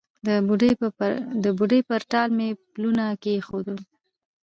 د بوډۍ پر ټال مې پلونه کښېښول